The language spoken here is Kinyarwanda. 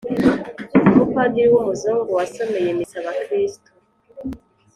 umupadiri w'umuzungu yasomeye misa abakristu